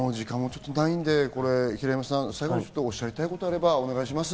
平山さん、最後におっしゃりたいことがあればお願いします。